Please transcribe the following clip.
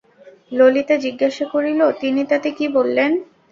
ললিতা জিজ্ঞাসা করিল, তিনি তাতে কী বললেন?